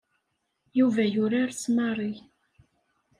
Yuba yurar s Mary.